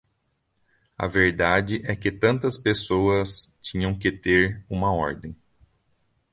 A verdade é que tantas pessoas tinham que ter uma ordem.